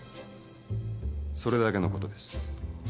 それだけのことです。